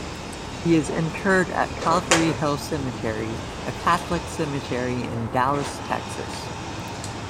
He is interred at Calvary Hill Cemetery, a Catholic cemetery in Dallas, Texas.